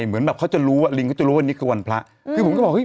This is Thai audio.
เหมือนแบบเขาจะรู้ว่าลิงเขาจะรู้ว่านี่คือวันพระคือผมก็บอกเฮ